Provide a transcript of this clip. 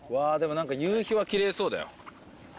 何か夕日はキレイそうだよ